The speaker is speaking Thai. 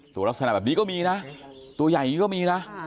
ตัวลักษณะแบบนี้ก็มีนะตัวใหญ่อย่างนี้ก็มีนะ